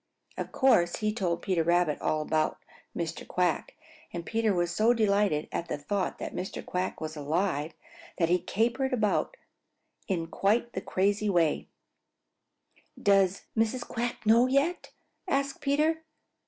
Of course he told Peter Rabbit all about Mr. Quack, and Peter was so delighted at the thought that Mr. Quack was alive that he capered about in quite the craziest way. "Does Mrs. Quack know yet?" asked Peter.